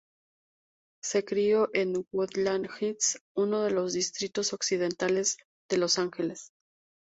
Se crio en Woodland Hills, uno de los distritos occidentales de Los Ángeles.